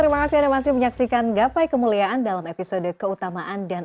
balik sudah mukallaf maksudnya